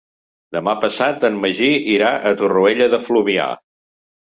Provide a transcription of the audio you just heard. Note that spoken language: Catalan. Demà passat en Magí irà a Torroella de Fluvià.